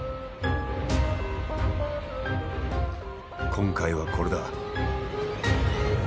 今回はこれだ。